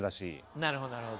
なるほどなるほど。